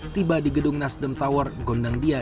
tiba di gedung nasdem tower gondangdia